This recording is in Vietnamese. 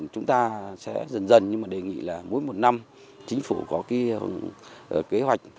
chúng ta sẽ dần dần nhưng mà đề nghị là mỗi một năm chính phủ có cái kế hoạch